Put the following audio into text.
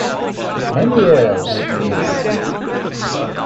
“Many years!” he repeated.